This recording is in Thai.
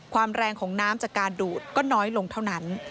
แรงของน้ำจากการดูดก็น้อยลงเท่านั้น